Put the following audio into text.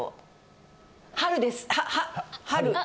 春です春。